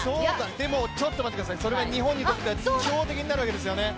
でもちょっと待ってください、日本にとってはそれは強敵になるわけですよね。